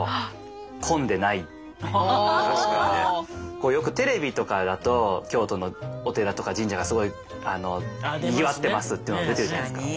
僕よくテレビとかだと京都のお寺とか神社がすごいにぎわってますっていうの出てるじゃないですか。